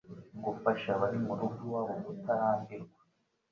gufasha abari mu rugo iwabo kutarambirwa,